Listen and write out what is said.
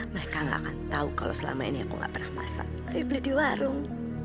mereka gak akan tahu kalau selama ini aku nggak pernah masak tapi beli di warung